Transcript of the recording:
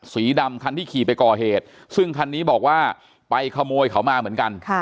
สีดำคันที่ขี่ไปก่อเหตุซึ่งคันนี้บอกว่าไปขโมยเขามาเหมือนกัน